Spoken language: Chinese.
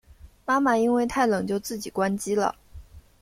妈妈因为太冷就自己关机了